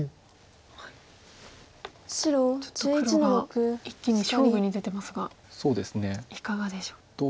ちょっと黒が一気に勝負に出てますがいかがでしょう？